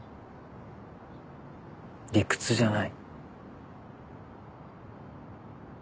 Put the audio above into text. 理屈じゃない。